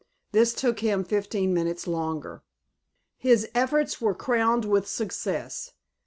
This took him fifteen minutes longer. His efforts were crowned with success.